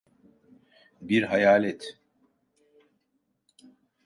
Bir hayalet.